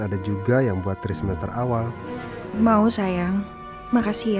ada juga yang buat tri semester awal mau sayang makasih ya